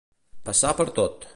Passar per tot.